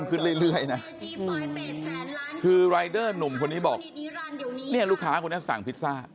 คืออะไรนะคือรายเดอร์หนุ่มคนนี้บอกนี่ลูกค้ากูเนี่ยสั่งพิซซ่า